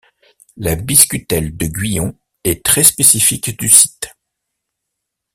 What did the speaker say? La biscutelle de Guillon est très spécifique du site.